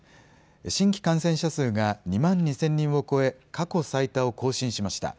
新規感染者数が２万２０００人を超え過去最多を更新しました。